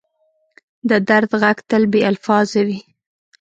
د درد ږغ تل بې الفاظه وي.